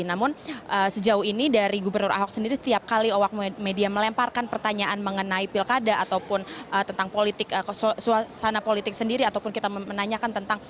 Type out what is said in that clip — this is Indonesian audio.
namun sejauh ini dari gubernur ahok sendiri setiap kali awak media melemparkan pertanyaan mengenai pilkada ataupun tentang politik suasana politik sendiri ataupun kita menanyakan tentang